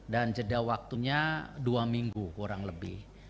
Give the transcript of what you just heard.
dan jeda waktunya dua minggu kurang lebih